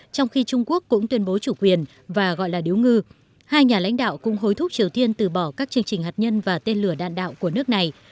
trong khi trung quốc cũng tuyên bố chủ quyền và gọi là điếu ngư hai nhà lãnh đạo cũng hối thúc triều tiên từ bỏ các chương trình hạt nhân và tên lửa đạn đạo của nước này